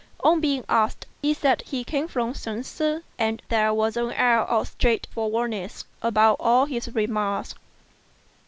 On being asked, he said he came from Shensi; and there was an air of straightforwardness about all his remarks.